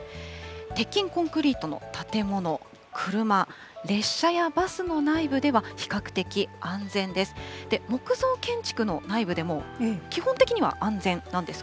鉄筋コンクリートの建物、車、列車やバスの内部では、比較的安全です。